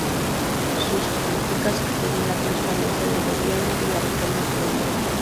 Sus políticas incluyen la transparencia del gobierno y la reforma económica.